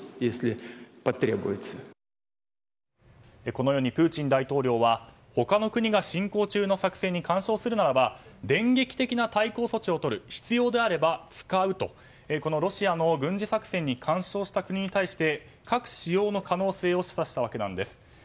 このようにプーチン大統領は他の国が進行中の作戦に干渉するならば電撃的な対抗措置をとる必要であれば使うとこのロシアの軍事作戦に干渉した国に対して核使用の可能性を示唆したわけなんです。